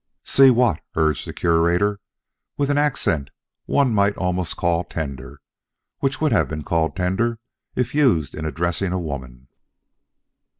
"See what?" urged the Curator with an accent one might almost call tender would have been called tender, if used in addressing a woman.